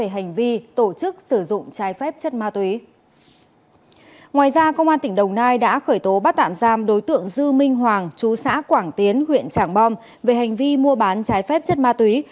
hai đã khởi tố bắt tạm giam đối tượng dư minh hoàng chú xã quảng tiến huyện tràng bom về hành vi mua bán trái phép chất ma túy